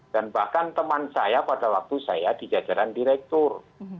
dan bahkan teman saya pada waktu saya di jajaran direktur